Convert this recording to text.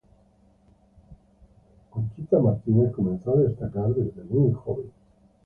Conchita Martínez comenzó a destacar desde muy joven.